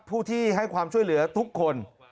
ผู้ที่ให้ความช่วยเหลือทุกคน